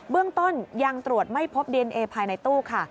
เรื่องต้นยังตรวจไม่พบดีเอนเอภายในตู้ค่ะ